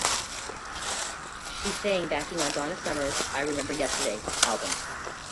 She sang backing on Donna Summer's "I Remember Yesterday" album.